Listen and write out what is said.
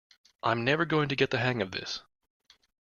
I’m never going to get the hang of this.